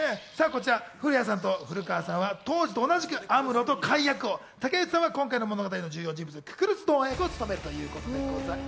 こちら古谷さんと古川さんは当時と同じくアムロとカイ役を、武内さんは今回の物語の重要人物、ククルス・ドアン役を務めます。